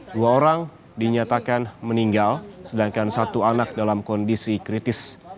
dua orang dinyatakan meninggal sedangkan satu anak dalam kondisi kritis